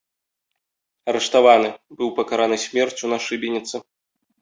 Арыштаваны, быў пакараны смерцю на шыбеніцы.